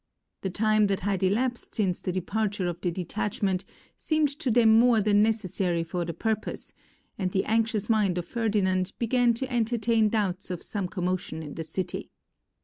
The time that had elapsed since the departure of the detachment seemed to them more than necessary for the purpose, and the anxious mind of Ferdinand began to entertain doubts of some commotion in the city.